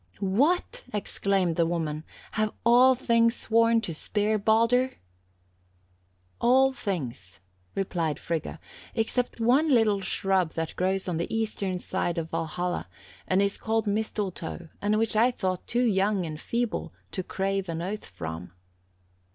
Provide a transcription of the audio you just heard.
"'What!' exclaimed the woman, 'have all things sworn to spare Baldur?' "'All things,' replied Frigga, 'except one little shrub that grows on the eastern side of Valhalla, and is called Mistletoe, and which I thought too young and feeble to crave an oath from.'